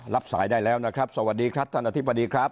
รับสายได้แล้วนะครับสวัสดีครับท่านอธิบดีครับ